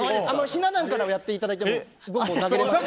ひな壇からやっていただいても。